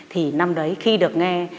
thì năm đấy khi được nghe